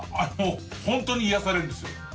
本当に癒やされるんです。